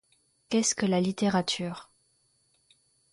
Qu'est-ce que la littérature?